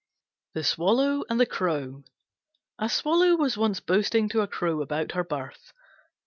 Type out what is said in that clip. THE SWALLOW AND THE CROW A Swallow was once boasting to a Crow about her birth.